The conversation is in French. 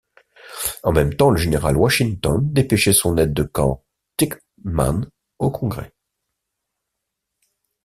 En même temps, le général Washington dépêchait son aide de camp, Tightman, au Congrès.